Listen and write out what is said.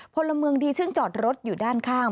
พลเมืองดีซึ่งจอดรถอยู่ด้านข้าง